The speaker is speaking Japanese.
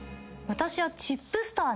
私は。